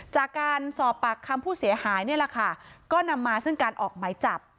จากการสอบปากคำผู้เสียหายนี่แหละค่ะก็นำมาซึ่งการออกหมายจับ